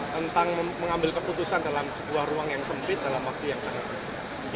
tentang mengambil keputusan dalam sebuah ruang yang sempit dalam waktu yang sangat sempit